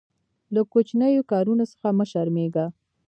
له کوچنیو کارونو څخه مه شرمېږه.